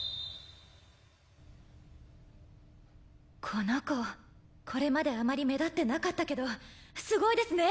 この子これまであまり目立ってなかったけどすごいですね！